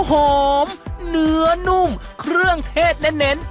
หอมเนื้อนุ่มเครื่องเทศเน้น